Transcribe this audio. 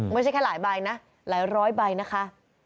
ไม่ใช่แค่หลายใบนะหลายร้อยใบนะคะ